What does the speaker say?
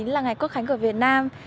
là ngày quốc khánh của việt nam